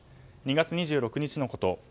２月２６日のこと。